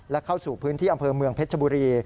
และเข้าสู่พื้นที่อำเภอเมืองเพชรบุรี